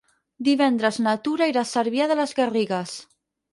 Divendres na Tura irà a Cervià de les Garrigues.